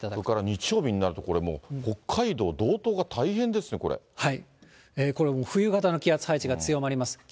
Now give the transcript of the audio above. それから日曜日になると、これもう北海道、道東が大変ですね、これも冬型の気圧配置が強まります。